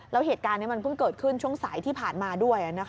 แล้วเหตุการณ์นี้มันเพิ่งเกิดขึ้นช่วงสายที่ผ่านมาด้วย